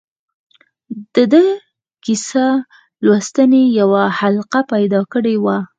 ده د کیسه لوستنې یوه حلقه پیدا کړې وه.